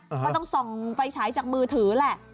ก็ต้องส่องไฟฉายจากมือถือแหละ